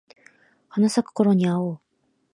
桜咲くころに会おう